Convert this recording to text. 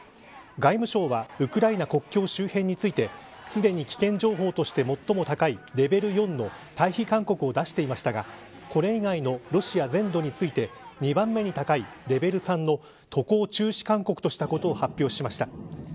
外務省はウクライナ国境周辺についてすでに危険情報として最も高いレベル４の退避勧告を出していましたがこれ以外のロシア全土について２番目に高いレベル３の渡航中止勧告としたことを発表しました。